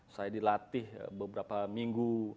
saya dilatih beberapa minggu